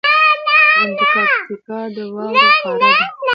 انټارکټیکا د واورو قاره ده.